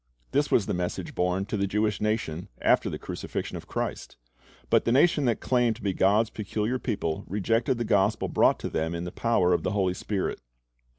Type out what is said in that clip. This was the message borne to the Jewish nation after the crucifixion of Christ; but the nation that claimed to be God's peculiar people rejected the gospel brought to them in the power of the Holy Spirit.